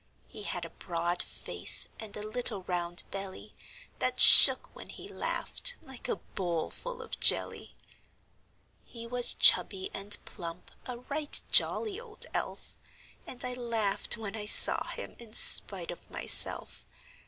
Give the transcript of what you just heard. He had a broad face, and a little round belly That shook when he laughed, like a bowl full of jelly. He was chubby and plump a right jolly old elf; And I laughed when I saw him in spite of myself.